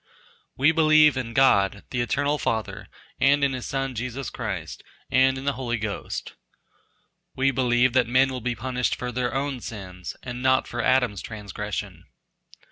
We believe in God the Eternal Father, and in his son Jesus Christ, and in the Holy Ghost. We believe that men will be punished for their own sins and not for Adam's transgression.